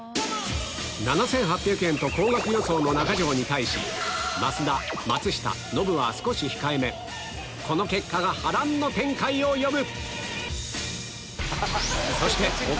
７８００円と高額予想の中条に対し増田松下ノブは少し控えめこの結果が波乱の展開を呼ぶ！